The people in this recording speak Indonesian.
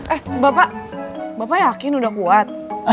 eh bapak bapak yakin udah kuat